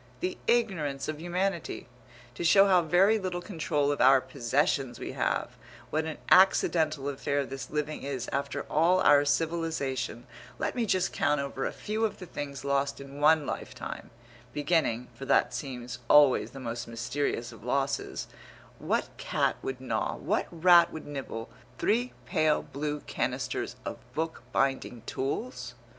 The ignorance of humanity! To show how very little control of our possessions we have what an accidental affair this living is after all our civilization let me just count over a few of the things lost in one lifetime, beginning, for that seems always the most mysterious of losses what cat would gnaw, what rat would nibble three pale blue canisters of book binding tools?